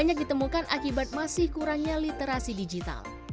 banyak ditemukan akibat masih kurangnya literasi digital